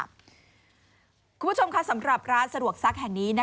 คุณผู้ชมค่ะสำหรับร้านสะดวกซักแห่งนี้